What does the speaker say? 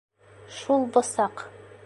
Шул бысаҡ.